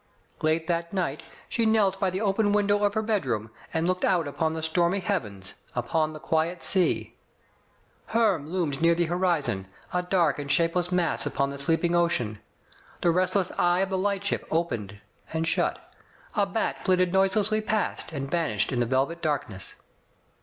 Late that night she knelt by the open window of her bedroom, and looked out upon the stormy heavens, upon the quiet sea. Herm loomed near the horizon, a dark and shape less mass upon the sleeping ocean. The restless eye of the lightship opened and shut; a bat flittered noiselessly past, and vanished in the velvet darkness.